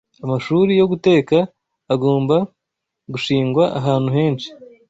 Amashuri yo guteka agomba gushingwa ahantu henshi